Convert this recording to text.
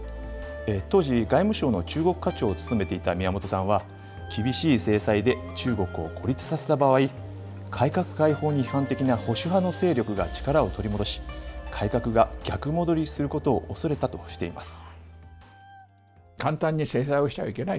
当時、外務省の中国課長を務めていた宮本さんは、厳しい制裁で中国を孤立させた場合、改革開放に批判的な保守派の勢力が力を取り戻し、改革が逆戻りすることをおそれたとしています。